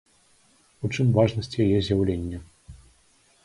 У чым важнасць яе з'яўлення?